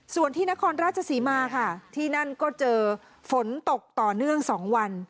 ส่วนที่นครราชศรีมาค่ะที่นั่นก็เจอฝนตกต่อเนื่อง๒วัน